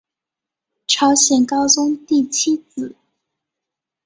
朝鲜高宗第七子。